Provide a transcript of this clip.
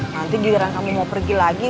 nanti giliran kamu mau pergi lagi